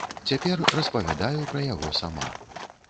Цяпер распавядаю пра яго сама.